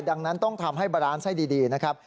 ดังนั้นต้องทำให้บารานไส้ดีนะครับ